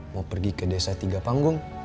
mau pergi ke desa tiga panggung